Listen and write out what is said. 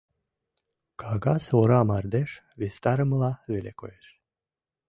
Кагаз ора мардеж вистарымыла веле коеш.